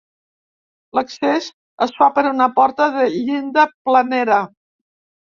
L'accés es fa per una porta de llinda planera.